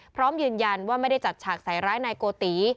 พร้อมยืนยันว่าไม่ได้จัดฉากใส่ร้ายนายโกติ